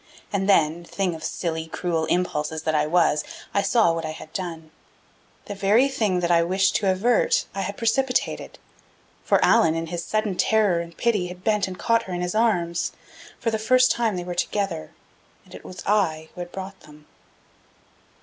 And then, thing of silly, cruel impulses that I was, I saw what I had done. The very thing that I wished to avert I had precipitated. For Allan, in his sudden terror and pity, had bent and caught her in his arms. For the first time they were together; and it was I who had brought them.